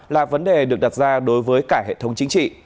là vấn đề được đặt ra đối với cả hệ thống chính trị